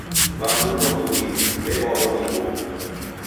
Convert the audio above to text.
W'andu mrongo iw'i w'ebwaghwa ni bomu.